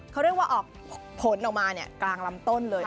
เขาเรียกว่าออกผลออกมากลางลำต้นเลย